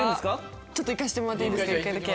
ちょっと行かせてもらっていいですか１回だけ。